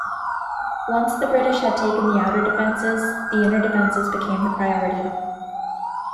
Once the British had taken the outer defences, the inner defences became the priority.